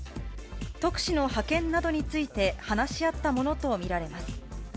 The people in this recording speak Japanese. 特使の派遣などについて話し合ったものと見られます。